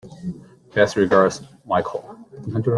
Best regards, Michael